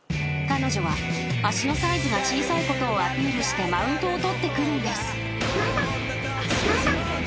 ［彼女は足のサイズが小さいことをアピールしてマウントを取ってくるんです］